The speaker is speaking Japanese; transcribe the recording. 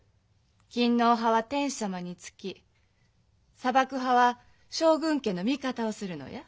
勤皇派は天子様につき佐幕派は将軍家の味方をするのや。